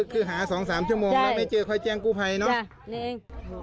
คือหา๒๓ชั่วโมงแล้วไปเจอค่อยแจ้งกู้ไพน่๊บ